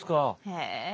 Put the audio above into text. へえ。